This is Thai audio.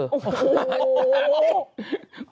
โอ้โห